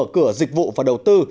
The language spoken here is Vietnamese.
cửa dịch vụ và đầu tư